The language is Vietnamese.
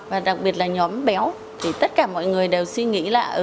và đặc biệt là nhóm béo thì tất cả mọi người đều suy nghĩ lại